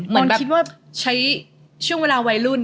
ตอนคิดว่าใช้ช่วงเวลาวัยรุ่น